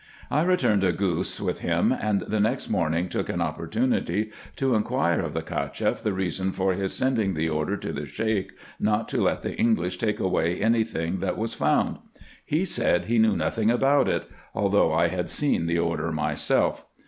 I returned to Gous with him, and the next morning took an opportunity to inquire of the Cacheff the reason of his sending the order to the Sheik not to let the English take away any thing that was found. He said, he knew nothing about it ; although I had seen the order myself.